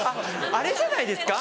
あれじゃないですか。